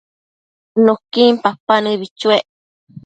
Nuquin papa nëbi chuec